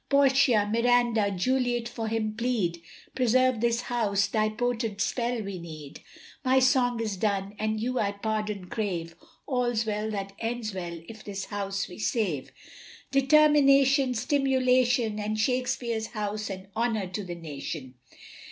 Portia, Miranda, Juliet for him plead, Preserve this house, thy potent spell we need." My song is done, and you I pardon crave All's well that ends well, if this house we save. Determination, stimulation, and Shakespeare's house an honour to the nation.